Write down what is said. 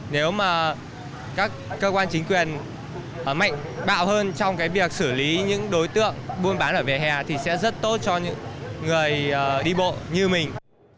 nếu mà các cơ quan chính quyền mạnh bạo hơn trong cái việc xử lý những đối tượng buôn bán ở vỉa hè thì sẽ rất tốt cho những người đi bộ như mình